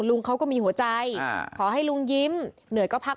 ลุงตู่ใจเย็น